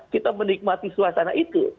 kita menikmati suasana itu